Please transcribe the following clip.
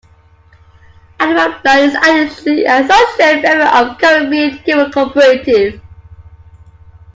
Animal Planet is additionally an associate member of the Caribbean Cable Cooperative.